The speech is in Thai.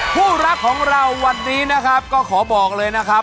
คู่รักของเราวันนี้นะครับก็ขอบอกเลยนะครับ